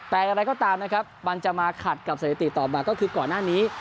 แต่อย่างไรก็ตามนะครับมันจะมาขัดกับสถิติต่อมาก็คือก่อนหน้านี้